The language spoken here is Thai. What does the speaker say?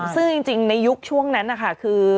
ซึ่งจริงในยุคช่วงนั้นนะคะคือ